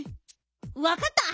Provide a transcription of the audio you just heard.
わかった！